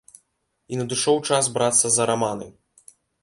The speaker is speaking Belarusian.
І надышоў час брацца за раманы!